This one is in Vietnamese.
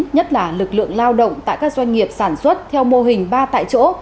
nhất là lực lượng lao động tại các doanh nghiệp sản xuất theo mô hình ba tại chỗ